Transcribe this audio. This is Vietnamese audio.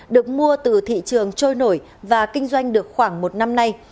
được mua từ thị trường trôi nổi và kinh doanh được khoảng một năm nay